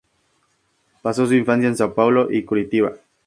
Pasó su infancia en São Paulo y Curitiba.